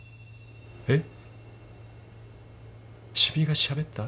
えっ？